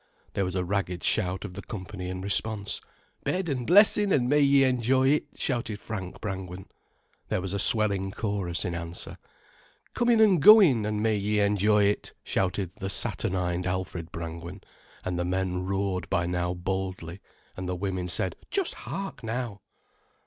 There was a ragged shout of the company in response. "Bed an' blessin', an' may ye enjoy it," shouted Frank Brangwen. There was a swelling chorus in answer. "Comin' and goin', an' may ye enjoy it," shouted the saturnine Alfred Brangwen, and the men roared by now boldly, and the women said, "Just hark, now!"